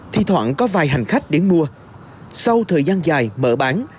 thi thoảng có vài hành khách đến mua sau thời gian dài mở bán